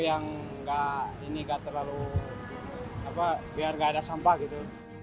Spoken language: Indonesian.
yang nggak terlalu biar nggak ada sampah gitu